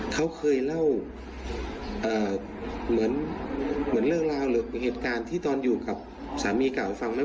เขาเคยเล่าเหมือนเรื่องราวหรือเหตุการณ์ที่ตอนอยู่กับสามีเก่าฟังไหม